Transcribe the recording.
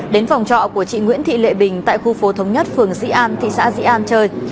đến phòng trọ của chị nguyễn thị lệ bình tại khu phố thống nhất phường dĩ an thị xã dĩ an chơi